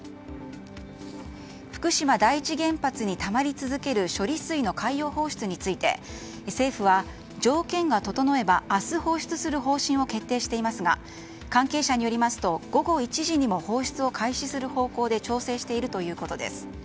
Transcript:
福島第一原発にたまり続ける処理水の海洋放出について政府は条件が整えば明日、放出する方針を決定していますが関係者によりますと午後１時にも放出を開始する方向で調整しているということです。